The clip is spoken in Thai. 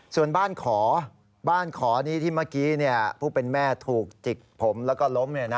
ส่วนบ้านขอบ้านขอนี้ที่เมื่อกี้ผู้เป็นแม่ถูกจิกผมแล้วก็ล้ม